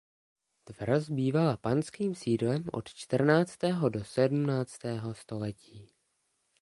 Tvrz bývala panským sídlem od čtrnáctého do sedmnáctého století.